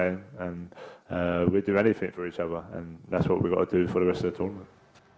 kita akan melakukan apa saja untuk satu sama lain dan itu yang kita harus lakukan untuk pertempuran selanjutnya